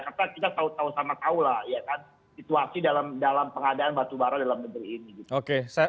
karena kita tahu tahu lah ya kan situasi dalam pengadaan batu bara dalam negeri ini